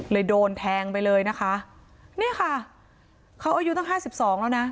โดนแทงไปเลยนะคะนี่ค่ะเขาอายุตั้งห้าสิบสองแล้วนะ